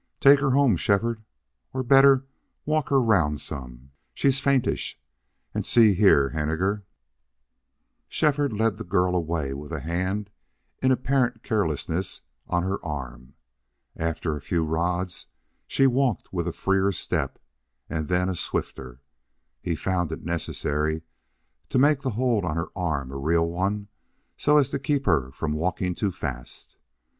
"Take her home, Shefford. Or, better, walk her round some. She's faintish .... And see here, Henninger " Shefford led the girl away with a hand in apparent carelessness on her arm. After a few rods she walked with a freer step and then a swifter. He found it necessary to make that hold on her arm a real one, so as to keep her from walking too fast.